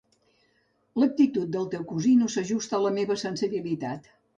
L'actitud del teu cosí no s'ajusta a la meva sensibilitat.